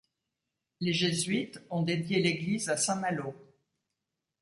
Les Jésuites ont dédié l'église à Saint Malo.